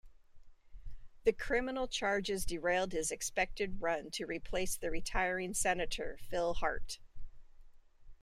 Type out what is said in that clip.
The criminal charges derailed his expected run to replace the retiring senator, Phil Hart.